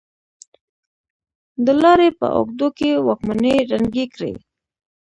د لارې په اوږدو کې واکمنۍ ړنګې کړې.